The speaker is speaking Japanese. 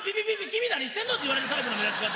君何してんの？」って言われるタイプの目立ち方